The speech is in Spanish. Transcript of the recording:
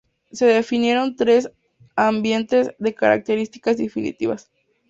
Se definieron tres ambientes de características distintivas.